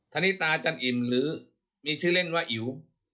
ธนิตาจันอิ่มหรือมีชื่อเล่นว่าอิ๋ว